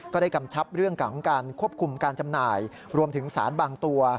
กำชับเรื่องของการควบคุมการจำหน่ายรวมถึงสารบางตัว